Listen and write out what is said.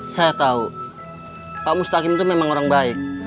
saya tahu pak mustaqim itu memang orang baik